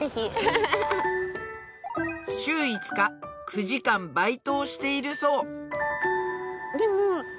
週５日９時間バイトをしているそう